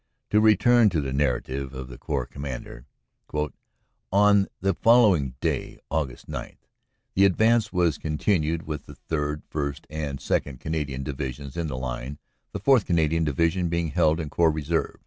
To return to the narrative of the Corps Commander : "On the following day, Aug. 9, the advance was continued with the 3rd., 1st. and 2nd. Canadian Divisions in the line, the 4th. Canadian Division being held in Corps Reserve.